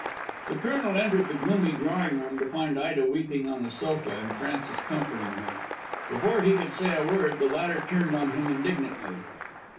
The Colonel entered the gloomy drawing room to find Ida weeping on the sofa and Frances comforting her. Before he could say a word, the latter turned on him indignantly.